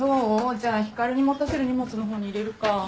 じゃあ光に持たせる荷物の方に入れるか。